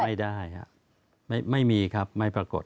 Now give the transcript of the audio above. ไม่ได้ครับไม่มีครับไม่ปรากฏ